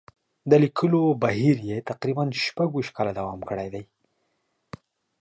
د لیکلو بهیر یې تقریباً شپږ ویشت کاله دوام کړی دی.